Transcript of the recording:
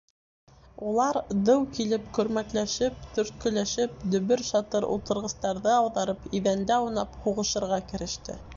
Улар, дыу килеп көрмәкләшеп, төрткөләшеп, дөбөр-шатыр ултырғыстарҙы ауҙарып, иҙәндә аунап һуғышырға кереште.